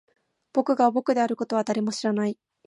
僕が僕であることは誰も知らない